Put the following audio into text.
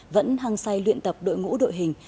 vẫn hăng say luyện tập đội ngũ đội hình